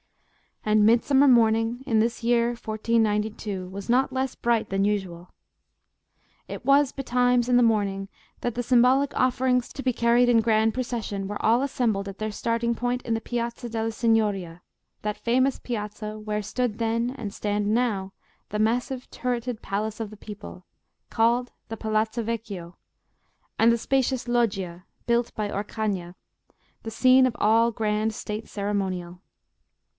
And Midsummer morning, in this year 1492, was not less bright than usual. It was betimes in the morning that the symbolic offerings to be carried in grand procession were all assembled at their starting point in the Piazza della Signoria—that famous piazza, where stood then, and stand now, the massive turreted Palace of the People, called the Palazzo Vecchio, and the spacious Loggia, built by Orcagna—the scene of all grand State ceremonial.